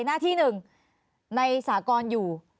หน้าที่หนึ่งในสากรอยู่